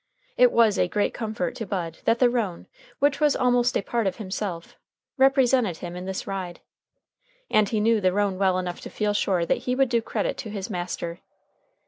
It was a great comfort to Bud that the roan, which was almost a part of himself, represented him in this ride. And he knew the roan well enough to feel sure that he would do credit to his master.